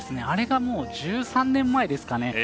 あれが１３年前ですかね。